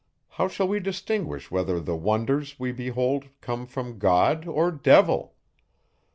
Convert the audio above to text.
How shall we distinguish whether the wonders, we behold, come from God or devil?